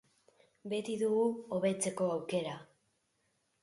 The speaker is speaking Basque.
Beti dugu hobetzeko aukera.